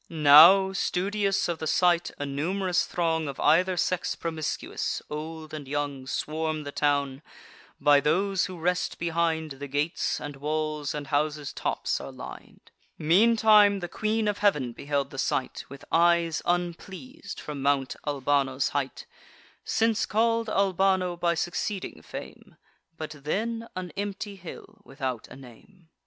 Now, studious of the sight, a num'rous throng Of either sex promiscuous, old and young, Swarm the town: by those who rest behind, The gates and walls and houses' tops are lin'd. Meantime the Queen of Heav'n beheld the sight, With eyes unpleas'd, from Mount Albano's height (Since call'd Albano by succeeding fame, But then an empty hill, without a name).